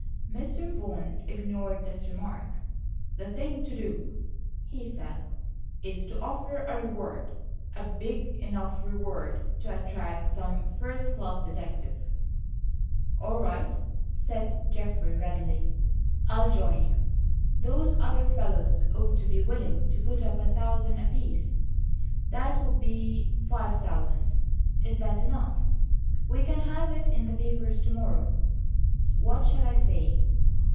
Mr. Vaughan ignored this remark. "The thing to do," he said, "is to offer a reward, a big enough reward to attract some first class detective." "All right," said Geoffrey readily, "I'll join you. Those other fellows ought to be willing to put up a thousand apiece,—that will be five thousand. Is that enough? We can have it in the papers to morrow. What shall I say?